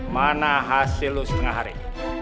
mana hasil lu setengah hari